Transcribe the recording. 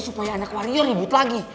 supaya anak warior ribut lagi